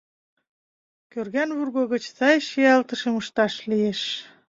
Кӧрган вурго гыч сай шиялтышым ышташ лиеш.